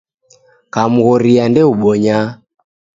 Kamghoria ndeubonya.